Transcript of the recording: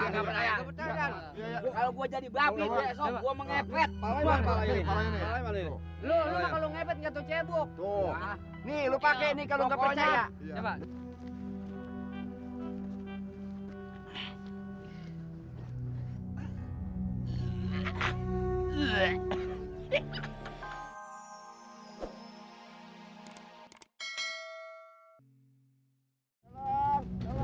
kalau ngebet nggak tuh cebok nih lu pakai nih kalau kepercayaan